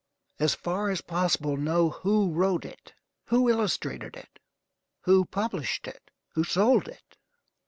As far as possible know who wrote it, who illustrated it, who published it, who sold it.